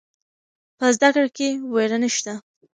په زده کړه کې ویره نشته.